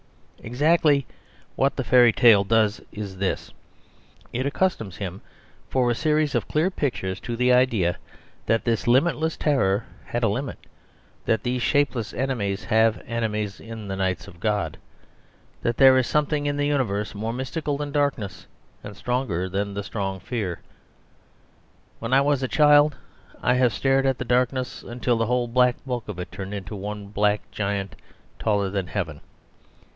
Exactly what the fairy tale does is this: it accustoms him for a series of clear pictures to the idea that these limitless terrors had a limit, that these shapeless enemies have enemies in the knights of God, that there is something in the universe more mystical than darkness, and stronger than strong fear. When I was a child I have stared at the darkness until the whole black bulk of it turned into one negro giant taller than heaven.